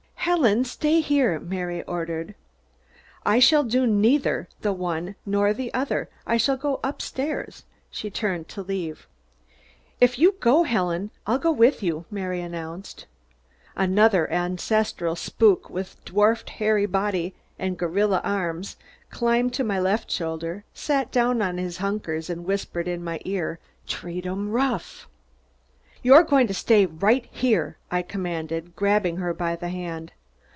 "Helen, stay here!" Mary ordered. "I shall do neither the one nor the other. I shall go up stairs." She turned to leave. "If you go, Helen, I'll go with you," Mary announced. Another ancestral spook with dwarfed, hairy body and gorilla arms, climbed to my left shoulder, sat down on his hunkers and whispered in my ear: "Treat 'em rough!" "You're going to stay right here!" I commanded, grabbing her by the hand.